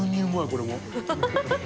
これも。